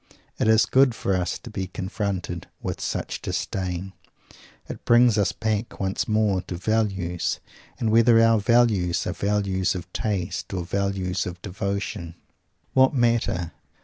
It is good for us to be confronted with such Disdain. It brings us back once more to "Values"; and whether our "Values" are values of taste or values of devotion what matter?